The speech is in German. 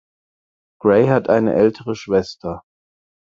Grey hat eine ältere Schwester.